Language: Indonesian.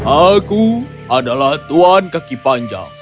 aku adalah tuan kaki panjang